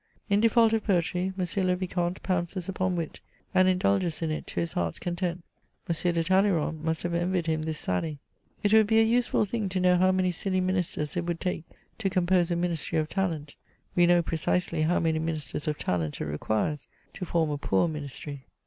In default of poetry, M. le Vicomte pounces upon wit, and indulges in it to his heart's content. M. de Talleyrand must have envied him this sally :*' It would be a useful thing to know how many silly Ministers it would take to compose a Ministry of talent ; we know precisely how many Ministers of talent it requires to form a poor Ministry."